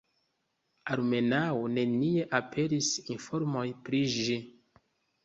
Almenaŭ nenie aperis informoj pri ĝi.